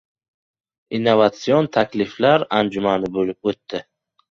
Innovatsion takliflar anjumani bo‘lib o‘tadi